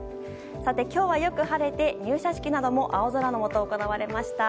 今日はよく晴れて入社式なども青空のもと行われました。